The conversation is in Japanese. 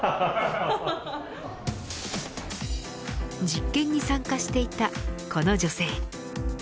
実験に参加していたこの女性。